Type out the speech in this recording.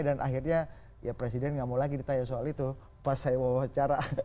dan akhirnya ya presiden nggak mau lagi ditanya soal itu pas saya wawancara